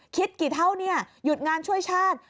คิดกี่เท่าเนี่ยหยุดงานช่วยชาติ